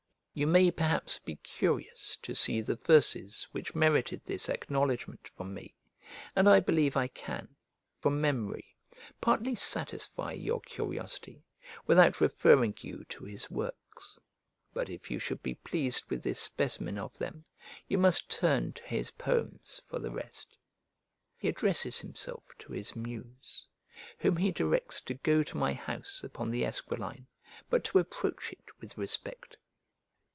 You may perhaps be curious to see the verses which merited this acknowledgment from me, and I believe I can, from memory, partly satisfy your curiosity, without referring you to his works: but if you should be pleased with this specimen of them, you must turn to his poems for the rest. He addresses himself to his muse, whom he directs to go to my house upon the Esquiline, but to approach it with respect.